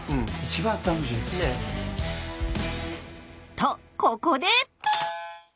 とここで！